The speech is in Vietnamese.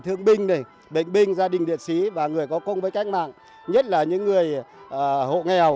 thương binh bệnh binh gia đình liệt sĩ và người có công với cách mạng nhất là những người hộ nghèo